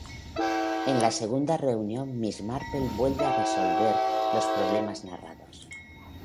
En la segunda reunión Miss Marple vuelve a resolver los problemas narrados.